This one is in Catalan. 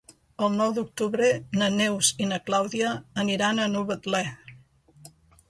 El nou d'octubre na Neus i na Clàudia aniran a Novetlè.